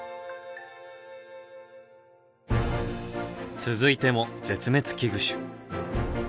続いても絶滅危惧種。